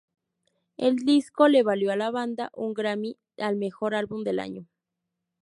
El disco le valió a la banda un Grammy al Mejor Álbum del Año.